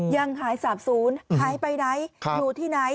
ยังหายสาบศูนย์หายไปไหนอยู่ที่ไหน